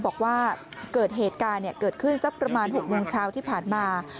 บอกว่าเกิดเหตุการณ์เกิดขึ้นสักประมาณ๖โมงเช้าที่ผ่านมา